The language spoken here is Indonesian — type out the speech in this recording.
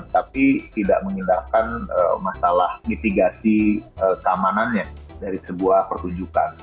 tapi tidak mengindahkan masalah mitigasi keamanannya dari sebuah pertunjukan